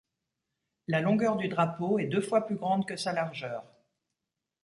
La longueur du drapeau est deux fois plus grande que sa largeur.